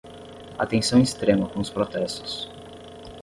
Atenção extrema com os protestos